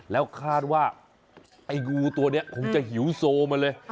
แล้วคาดว่าไอ้งูตัวนี้คงจะหิวโซมาเลย